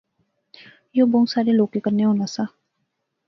یو بہوں سارے لوکیں کنے ہونا سا